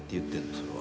それは。